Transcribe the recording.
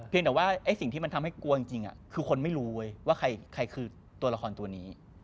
แต่ว่าไอ้สิ่งที่มันทำให้กลัวจริงคือคนไม่รู้ว่าใครคือตัวละครตัวนี้